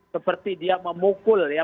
seperti dia memukul ya